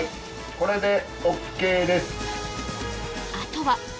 これでＯＫです。